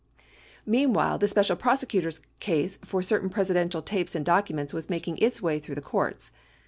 6 Meanwhile, the Special Prosecutor's case for certain Presidential tapes and documents was making its way through the courts.